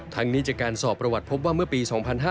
ทั้งนี้จากการสอบประวัติพบว่าเมื่อปี๒๕๕๙